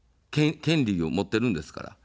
権利を持っているんですから。